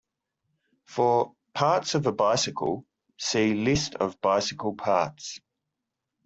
For "parts of a bicycle", see List of bicycle parts.